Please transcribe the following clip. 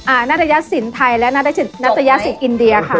อ่านัทยาศิลป์ไทยและนัทยาศิลป์อินเดียค่ะ